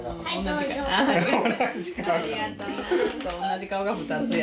同じ顔が２つやな。